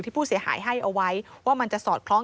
ผู้เสียหายให้เอาไว้ว่ามันจะสอดคล้อง